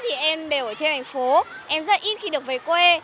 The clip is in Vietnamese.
thì em đều ở trên thành phố em rất ít khi được về quê